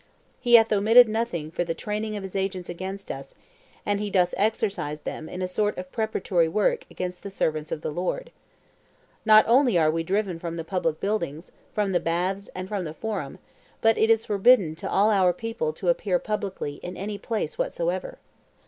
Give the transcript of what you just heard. He hath omitted nothing for the training of his agents against us, and he doth exercise them in a sort of preparatory work against the servants of the Lord. Not only are we driven from the public buildings, from the baths, and from the forum, but it is forbidden to all our people to appear publicly in any place whatsoever.